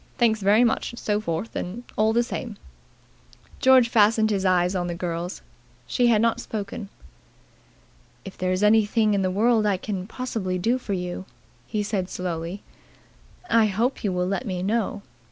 Thanks very much and so forth all the same." George fastened his eyes on the girl's. She had not spoken. "If there is anything in the world I can possibly do for you," he said slowly, "I hope you will let me know.